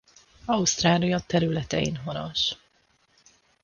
Ausztrália területein honos.